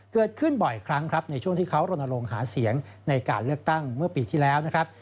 เกิดขึ้นบ่อยครั้งครับในช่วงที่เขารณรงค์หาเสียงในการเลือกตั้งเมื่อปีที่แล้วนะครับ